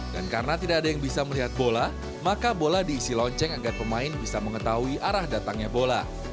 dan karena tidak ada yang bisa melihat bola maka bola diisi lonceng agar pemain bisa mengetahui arah datangnya bola